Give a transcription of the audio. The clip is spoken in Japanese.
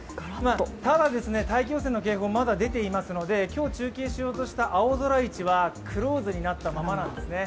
ただ大気汚染の警報、まだ出ていますので今日、中継しようとした青空市はクローズになったままなんですね。